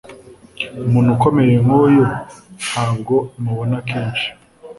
Umuntu ukomeye nkuyu Ntabwo imubona kenshi